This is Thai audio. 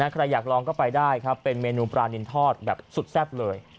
ใครอยากลองก็ไปได้ครับเป็นเมนูปลานินทอดแบบสุดแซ่บเลย